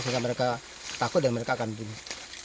sehingga mereka takut dan mereka akan begini